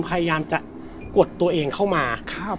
พยายามจะกดตัวเองเข้ามา